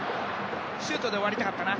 シュートで終わりたかったな。